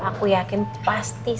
aku yakin pasti